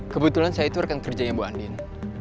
kebetulan saya itu rekan kerjanya bu andin